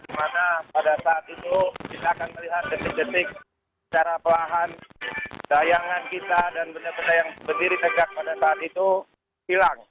di mana pada saat itu kita akan melihat detik detik secara perlahan dayangan kita dan benda benda yang berdiri tegak pada saat itu hilang